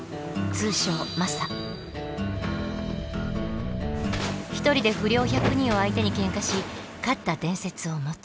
通称１人で不良１００人を相手にケンカし勝った伝説を持つ。